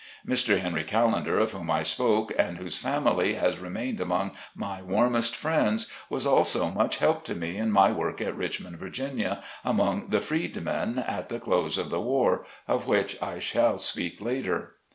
Mr. Henry Callender, of whom I spoke, and whose family has remained among my warmest friends, was also much help to me in my work at Richmond, Va., among the freedmen, at the close of the war ; of which I shall speak later.